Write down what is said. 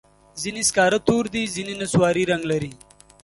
ځینې سکاره تور دي، ځینې نسواري رنګ لري.